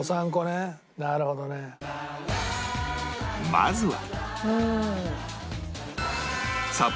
まずは